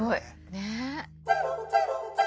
ねえ。